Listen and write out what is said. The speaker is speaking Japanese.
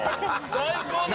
最高だよ。